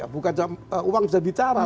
bukan uang bisa bicara